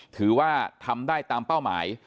ถือว่าทำได้ตามเป้าหมาย